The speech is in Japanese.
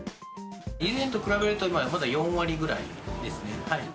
以前と比べると、まだ４割ぐらいですね。